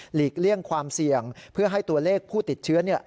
เลี่ยงความเสี่ยงเพื่อให้ตัวเลขผู้ติดเชื้อ